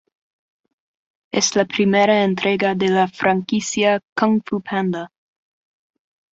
Es la primera entrega de la Franquicia Kung Fu Panda.